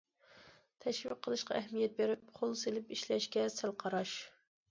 تەشۋىق قىلىشقا ئەھمىيەت بېرىپ، قول سېلىپ ئىشلەشكە سەل قاراش.